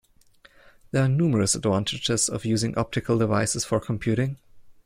There are numerous advantages of using optical devices for computing.